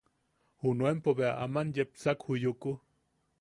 Junuenpo bea aman yepsak ju Yuku.